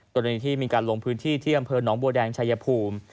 กรณีที่มีการลงพื้นที่ที่อำเภอหนองบัวแดงชายภูมิ